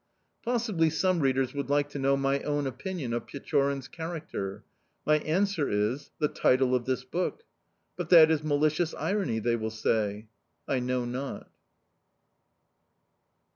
Possibly some readers would like to know my own opinion of Pechorin's character. My answer is: the title of this book. "But that is malicious irony!" they will say... I know not.